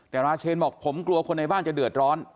แต่ราเชนบอกผมกลัวคนในบ้านจะเดือดร้อน